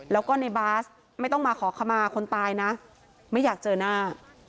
แล้วก็ในบาสไม่ต้องมาขอขมาคนตายนะไม่อยากเจอหน้า